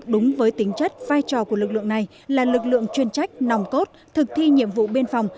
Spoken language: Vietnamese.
đúng với tính chất vai trò của lực lượng này là lực lượng chuyên trách nòng cốt thực thi nhiệm vụ biên phòng